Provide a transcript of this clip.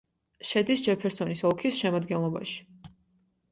შედის ჯეფერსონის ოლქის შემადგენლობაში.